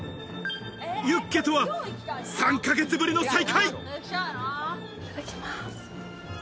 ユッケとは３ヶ月ぶりの再会。